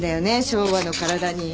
昭和の体に。